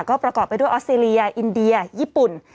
ก็ประกอบไปด้วยออสเตรเลียอินเดียญี่ปุ่น